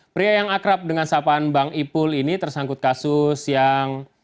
pria yang akrab dengan sapaan bang ipul ini tersangkut kasus yang